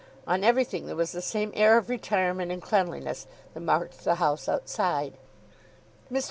On everything there was the same air of retirement and cleanliness that marked the house outside. Mr.